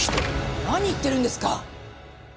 何言ってるんですか！